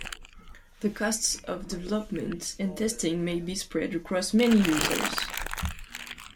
The costs of development and testing may be spread across many users.